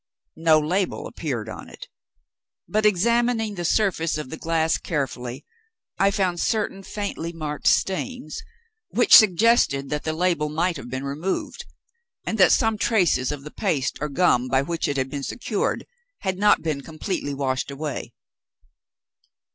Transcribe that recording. No label appeared on it; but, examining the surface of the glass carefully, I found certain faintly marked stains, which suggested that the label might have been removed, and that some traces of the paste or gum by which it had been secured had not been completely washed away.